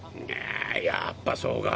やっぱそうか。